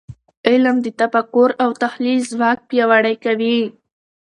علم د تفکر او تحلیل ځواک پیاوړی کوي .